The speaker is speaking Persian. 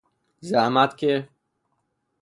زحمت که...